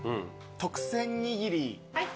特選にぎり。